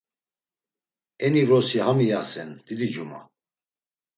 Eni vrosi ham iyasen didicuma.